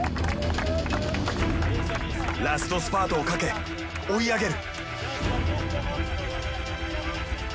ラストスパートをかけ追い上げる。